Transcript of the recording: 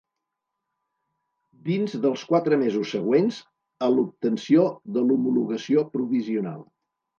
Dins dels quatre mesos següents a l'obtenció de l'homologació provisional.